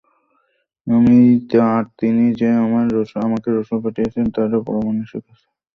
আর তিনি যে আমাকে রসূল করে পাঠিয়েছেন তার প্রমাণও এসে গেছে।